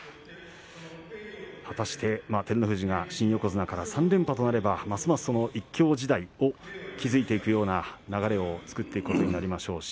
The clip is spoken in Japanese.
果たして照ノ富士が新横綱から３連覇となれば１強時代を築いていくような流れを作っていくことになります。